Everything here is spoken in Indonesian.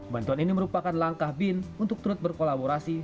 bantuan ini merupakan langkah bin untuk turut berkolaborasi